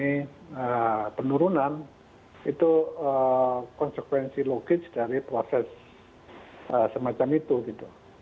ini penurunan itu konsekuensi logis dari proses semacam itu gitu